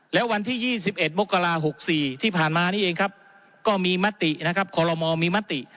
และวันที่๒๑มกรา๖๔ที่ผ่านมานี่เองครับก็มีมตินะครับคอลโลมอลมีมติ